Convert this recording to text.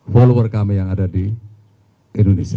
hai follower kami yang ada di indonesia